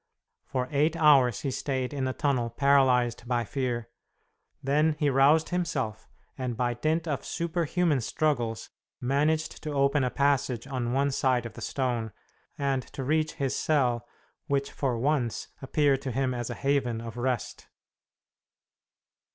For eight hours he stayed in the tunnel paralyzed by fear. Then he roused himself, and by dint of superhuman struggles managed to open a passage on one side of the stone, and to reach his cell, which for once appeared to him as a haven of rest.